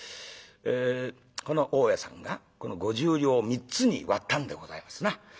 えこの大家さんがこの５０両を３つに割ったんでございますな。